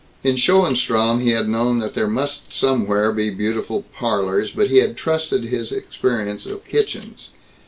In Schoenstrom he had known that there must somewhere be beautiful "parlors," but he had trusted in his experience of kitchens.